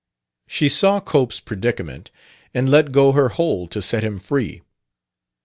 She saw Cope's predicament and let go her hold to set him free.